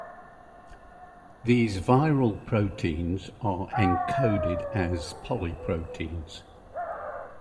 These viral proteins are encoded as polyproteins.